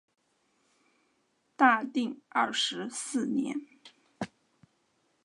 大定二十四年。